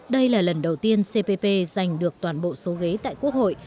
đây là lần đầu tiên cpp giành được toàn bộ số ghế tại quốc hội